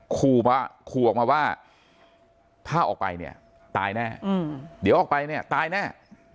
ขู่ออกมาว่าถ้าออกไปเนี่ยตายแน่เดี๋ยวออกไปเนี่ยตายแน่